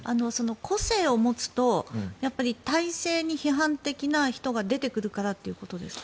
個性を持つとやっぱり体制に批判的な人が出てくるからということですか？